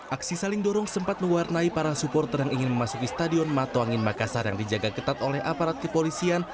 aksi saling dorong sempat mewarnai para supporter yang ingin memasuki stadion mato angin makassar yang dijaga ketat oleh aparat kepolisian